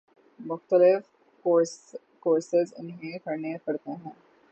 مختلف کورسز انہیں کرنے پڑتے ہیں۔